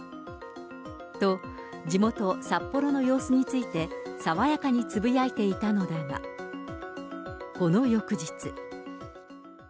と、地元札幌の様子について、爽やかにつぶやいていたのだが、この翌日。